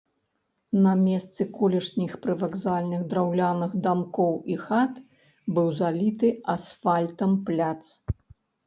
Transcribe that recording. На месцы колішніх прывакзальных драўляных дамкоў і хат быў заліты асфальтам пляц.